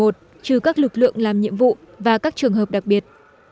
trừ các lực lượng làm nhiệm vụ và các trường hợp đặc biệt